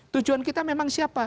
tujuan kita memang siapa